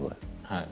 はい。